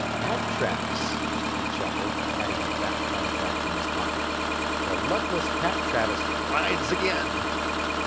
"Pat Travis," he chuckled, patting the fat contract in his pocket, "the luckless Pat Travis rides again."